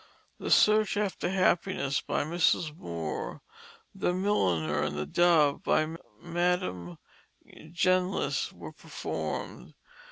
The 'Search after Happiness,' by Mrs. More, 'The Milliner,' and 'The Dove,' by Madame Genlis were performed.